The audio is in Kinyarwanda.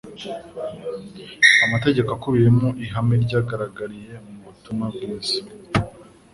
Amategeko akubiyemo ihame ryagaragariye mu butumwa bwiza.